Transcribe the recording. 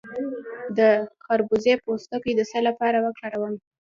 د خربوزې پوستکی د څه لپاره وکاروم؟